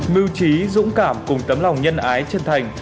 mưu trí dũng cảm cùng tấm lòng nhân ái chân thành